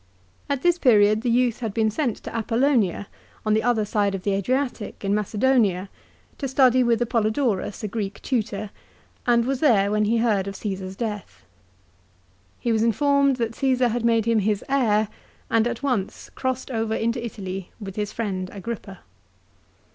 At this period the youth had been sent to Apollonia, on the other side of the Adriatic, in Macedonia, to study with Apollodorus a Greek tutor, and was there when he heard of Ceesar's death. He was informed that Csesar had made him his heir, and at once crossed over into Italy with his friend Agrippa.